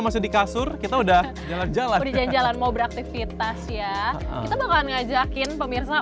masih di kasur kita udah jalan jalan mau beraktivitas ya kita bakalan ngajakin pemirsa